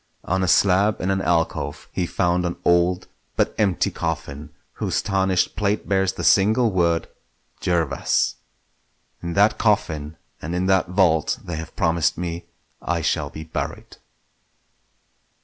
On a slab in an alcove he found an old but empty coffin whose tarnished plate bears the single word "Jervas". In that coffin and in that vault they have promised me I shall be buried.